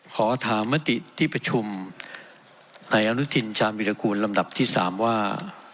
ขอถามมติที่ประชุมในอนุทินชาญวิรากูลลำดับที่๓ว่า